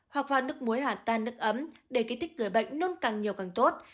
hoặc vào nước muối hạ tan nước ấm để kích thích người bệnh nôn càng nhiều càng tốt